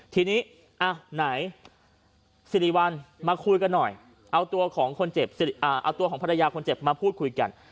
ทีนี้ไหนสิริวัลมาคุยกันหน่อยเอาตัวของคนเจ็บเอาตัวของภรรยาคนเจ็บมาพูดคุยกัน